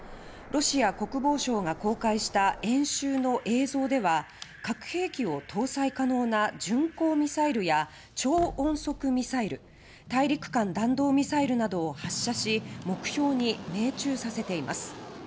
ロシア国防省が公開した演習の映像では核兵器を搭載可能な巡航ミサイルや超音速ミサイル大陸間弾道ミサイルなどを発射し目標に命中させています。